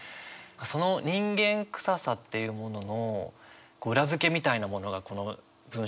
その人間臭さっていうものの裏付けみたいなものがこの文章から感じて。